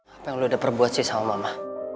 apa yang lo udah perbuat sih sama mama